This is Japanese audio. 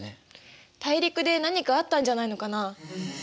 大陸で何かあったんじゃないのかな？